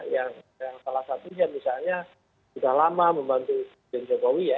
yang salah satunya misalnya sudah lama membantu presiden jokowi ya